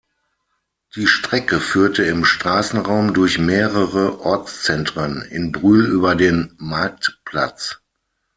Die Strecke führte im Straßenraum durch mehrere Ortszentren, in Brühl über den Marktplatz.